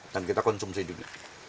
dan kita konsumsi juga